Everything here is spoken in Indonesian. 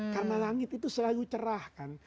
karena langit itu selalu cerah kan